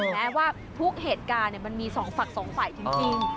แม้ว่าทุกเหตุการณ์มันมีสองฝั่งสองฝ่ายจริง